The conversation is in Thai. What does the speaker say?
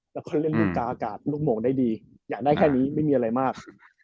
แล้วก็เล่นลูกตาอากาศลูกโมงได้ดีอยากได้แค่นี้ไม่มีอะไรมาก